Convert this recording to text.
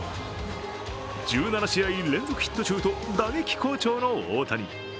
１７試合連続ヒット中と打撃好調の大谷。